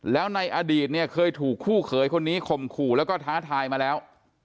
แล้วในอดีตเนี่ยเคยถูกคู่เขยคนนี้ข่มขู่แล้วก็ท้าทายมาแล้ว